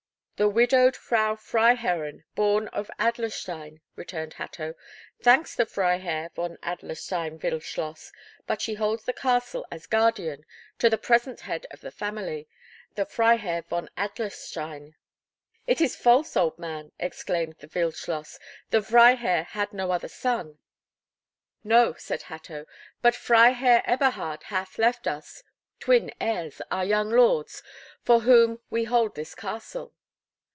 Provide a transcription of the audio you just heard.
"The widowed Frau Freiherrinn, born of Adlerstein," returned Hatto, "thanks the Freiherr von Adlerstein Wildschloss; but she holds the castle as guardian to the present head of the family, the Freiherr von Adlerstein." "It is false, old man," exclaimed the Wildschloss; "the Freiherr had no other son." "No," said Hatto, "but Freiherr Eberhard hath left us twin heirs, our young lords, for whom we hold this castle."